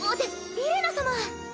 リレナ様。